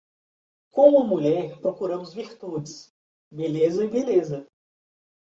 Com uma mulher procuramos virtudes, beleza e beleza.